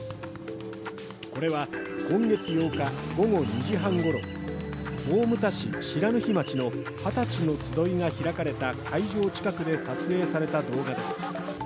これは今月８日午後２時半ごろ大牟田市不知火町のはたちの集いが開かれた会場近くで撮影された動画です。